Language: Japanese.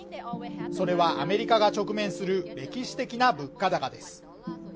それはアメリカが直面する歴史的な物価高です